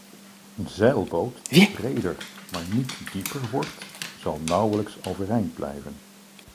Een zeilboot die breder, maar niet dieper wordt, zal nauwelijks overeind blijven.